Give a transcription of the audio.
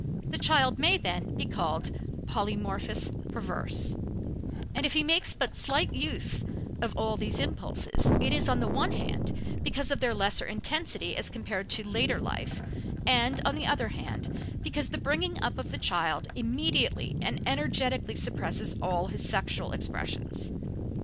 The child may, then, be called "polymorphus perverse," and if he makes but slight use of all these impulses, it is, on the one hand, because of their lesser intensity as compared to later life, and on the other hand, because the bringing up of the child immediately and energetically suppresses all his sexual expressions.